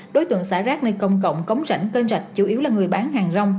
đối tượng xã rác nơi công cộng cống rảnh cân rạch chủ yếu là người bán hàng rong